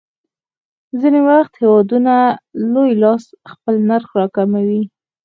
ځینې وخت هېوادونه لوی لاس خپل نرخ راکموي.